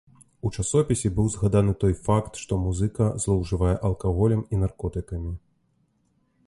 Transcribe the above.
У часопісе быў згаданы той факт, што музыка злоўжывае алкаголем і наркотыкамі.